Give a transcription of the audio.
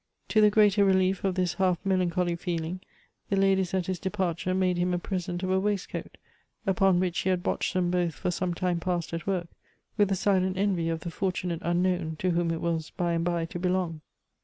To the greater relief of this half mel.incholy feeling, the ladies at his departure made him a present of a waist coat, upon which he had watched them both for some time past at work, with a silent envy of the fortun.ate unknown, to whom it was by and by to belong.